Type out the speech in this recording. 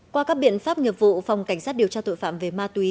qua các biện pháp nghiệp vụ phòng cảnh sát điều tra tội phạm về ma túy